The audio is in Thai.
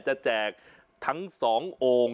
จะแจกทั้งสองโอ่ง